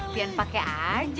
pian pake aja